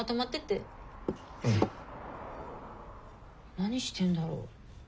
何してんだろう？